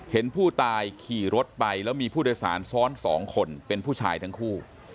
เห็นผู้ตายขี่รถไปแล้วมีผู้โดยสารซ้อน๒คนเป็นผู้ชายทั้งคู่